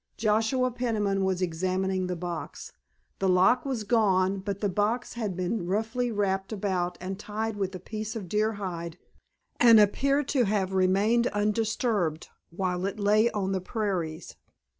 Joshua Peniman was examining the box. The lock was gone, but the box had been roughly wrapped about and tied with a piece of deer hide, and appeared to have remained undisturbed while it lay on the prairies.